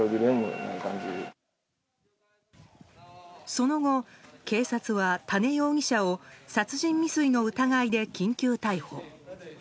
その後、警察は多禰容疑者を殺人未遂の疑いで緊急逮捕。